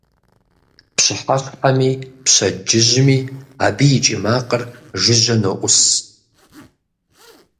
Пщыхьэщхьэми пщэдджыжьми абы и кӀий макъыр жыжьэ ноӀус.